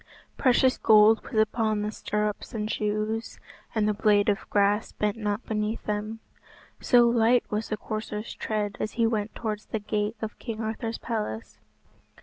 Precious gold was upon the stirrups and shoes, and the blade of grass bent not beneath them, so light was the courser's tread as he went towards the gate of King Arthur's palace.